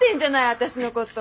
私のこと。